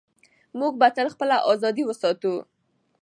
موږ به تل خپله ازادي ساتو.